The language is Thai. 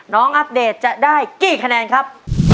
อัปเดตจะได้กี่คะแนนครับ